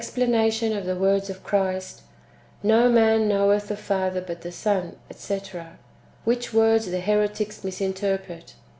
vplanalion of the ivords of Christ, " N'o man Jcnoweth the Father, hut the Son,'' etc.; ichich words the heretics misinterpret.